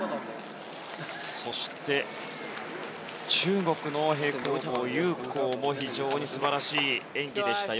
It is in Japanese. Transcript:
そして、中国の平行棒ユウ・コウも非常に素晴らしい演技でした。